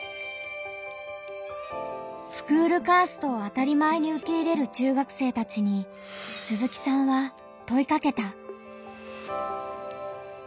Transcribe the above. スクールカーストを当たり前に受け入れる中学生たちに鈴木さんは問いかけた。